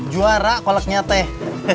tidak raka koloknya teh